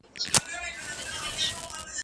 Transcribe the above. د کتابتون د کار مرسته وکړه!؟